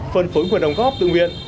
phân phối nguồn ủng góp tự nguyện